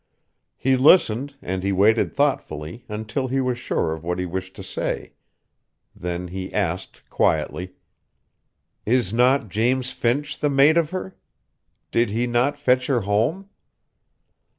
He listened, and he waited thoughtfully until he was sure of what he wished to say. Then he asked quietly: "Is not James Finch the mate of her? Did he not fetch her home?"